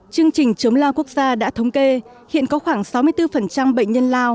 chương trình chống lao quốc gia đã thống kê hiện có khoảng sáu mươi bốn bệnh nhân lao